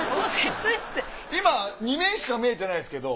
今２面しか見えてないですけど